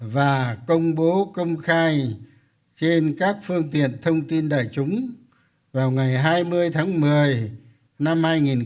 và công bố công khai trên các phương tiện thông tin đại chúng vào ngày hai mươi tháng một mươi năm hai nghìn một mươi chín